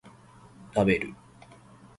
食べる